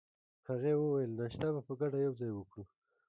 هغې وویل: ناشته به په ګډه یوځای کوو.